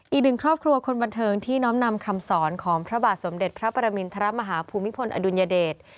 อีกหนึ่งครอบครัวคนบันเทิงที่น้อมนำคำสอนของพระบาทสมเด็จพระปรมินทรมาฮาภูมิพลอดุลยเดช